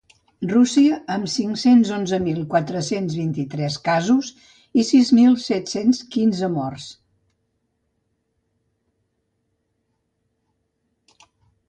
Rússia, amb cinc-cents onze mil quatre-cents vint-i-tres casos i sis mil set-cents quinze morts.